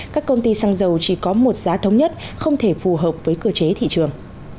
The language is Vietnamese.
các công ty xăng dầu chỉ có một giá thống nhất không thể phù hợp với cơ chế thị trường